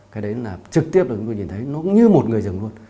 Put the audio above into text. cái đấy là trực tiếp là chúng tôi nhìn thấy nó như một người rừng luôn